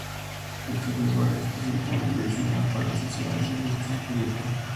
Este firmware fue específicamente diseñado para las necesidades y retos del proyecto.